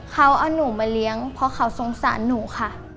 เขาเอาหนูมาเลี้ยงเพราะเขาสงสารหนูค่ะ